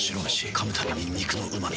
噛むたびに肉のうま味。